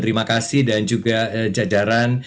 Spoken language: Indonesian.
terima kasih dan juga jajaran